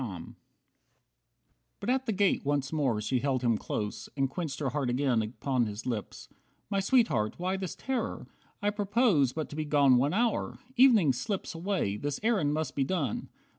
45 But at the gate once more she held him close And quenched her heart again upon his lips. "My Sweetheart, why this terror? I propose But to be gone one hour! Evening slips Away, this errand must be done."